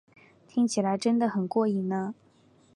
听起来真得很过瘾呢